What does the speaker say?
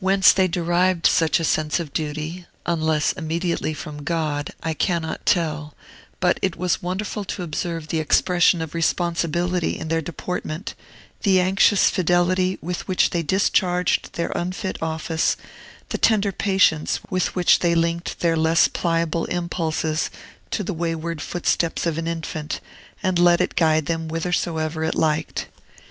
Whence they derived such a sense of duty, unless immediately from God, I cannot tell; but it was wonderful to observe the expression of responsibility in their deportment, the anxious fidelity with which they discharged their unfit office, the tender patience with which they linked their less pliable impulses to the wayward footsteps of an infant, and let it guide them whithersoever it liked.